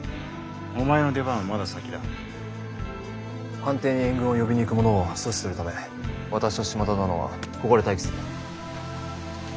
藩邸に援軍を呼びに行く者を阻止するため私と島田殿はここで待機する。